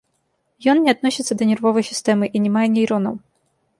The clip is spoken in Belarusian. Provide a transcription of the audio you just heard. Ён не адносіцца да нервовай сістэмы і не мае нейронаў.